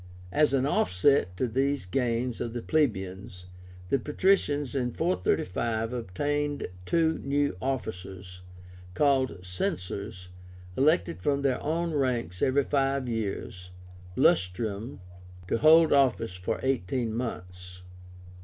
As an offset to these gains of the plebeians, the patricians in 435 obtained two new officers, called CENSORS, elected from their own ranks every five years (lustrum) to hold office for eighteen months.